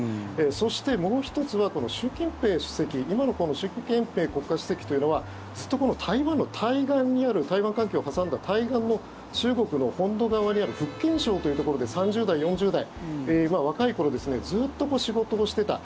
そして、もう１つは習近平主席今の習近平国家主席というのはずっと台湾の対岸にある台湾海峡を挟んだ対岸の中国の本土側にある福建省というところで３０代、４０代若い頃、ずっと仕事をしていた。